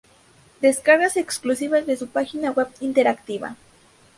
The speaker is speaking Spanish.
Descargas exclusivas de su página web interactiva.